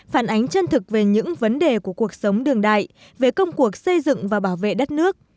phản ánh chân thực về những vấn đề của cuộc sống đường đại về công cuộc xây dựng và bảo vệ đất nước